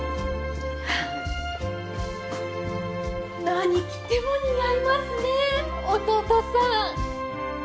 何着ても似合いますね弟さん。